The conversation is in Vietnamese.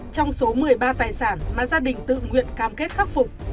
trong số một mươi ba tài sản mà gia đình tự nguyện cam kết khắc phục